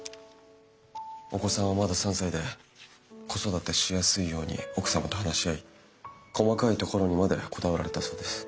お子さんはまだ３歳で子育てしやすいように奥様と話し合い細かいところにまでこだわられたそうです。